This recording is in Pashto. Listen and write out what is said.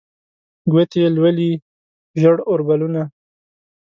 ګوتې یې لولي ژړ اوربلونه